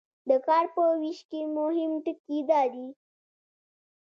د کار په ویش کې مهم ټکي دا دي.